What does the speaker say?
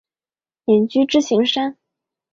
隐居支硎山。